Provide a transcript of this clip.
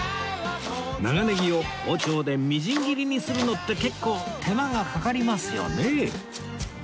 長ネギを包丁でみじん切りにするのって結構手間がかかりますよね